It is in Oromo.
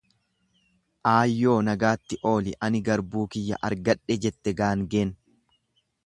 Aayyoo nagaatti ooli ani garbuu kiyya argadhe jette Gaangeen.